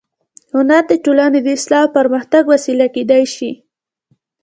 هنر د ټولنې د اصلاح او پرمختګ وسیله کېدای شي